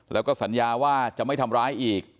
แล้วก็สัญญาว่าจะไม่ทำร้ายอีก